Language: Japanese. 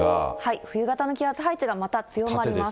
冬型の気圧配置がまた強まります。